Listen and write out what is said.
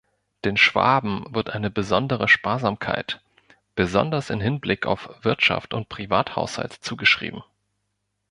Den Schwaben wird eine besondere Sparsamkeit, besonders in Hinblick auf Wirtschaft und Privathaushalt zugeschrieben.